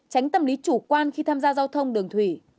tránh tâm lý chủ quan khi tham gia giao thông đường thủy